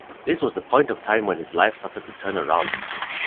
This was the point of time where his life started to turn around.